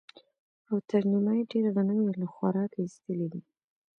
او تر نيمايي ډېر غنم يې له خوراکه ايستلي دي.